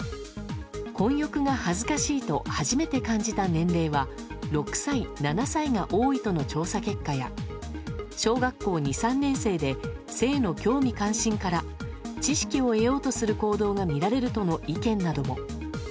混浴が恥ずかしいと初めて感じた年齢は６歳７歳が多いとの調査結果や小学校２３年生で性の興味・関心から知識を得ようとする行動がみられるとの意見も。